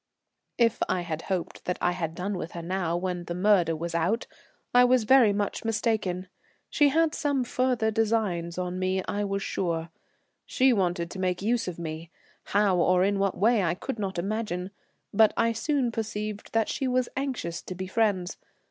If I had hoped that I had done with her now, when the murder was out, I was very much mistaken. She had some further designs on me, I was sure. She wanted to make use of me, how or in what way I could not imagine; but I soon perceived that she was anxious to be friends.